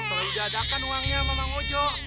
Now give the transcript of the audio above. kalau udah ada kan uangnya sama mang ojo